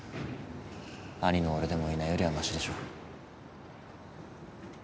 兄の俺でもいないよりはましでしょ。